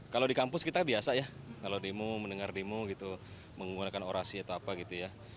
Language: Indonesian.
kalau di kampus kita biasa ya kalau demo mendengar demo gitu menggunakan orasi atau apa gitu ya